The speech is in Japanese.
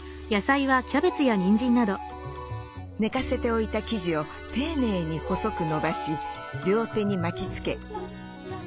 寝かせておいた生地を丁寧に細くのばし両手に巻きつけ。